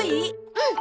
うん。